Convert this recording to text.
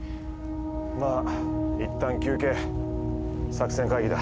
まぁいったん休憩作戦会議だ。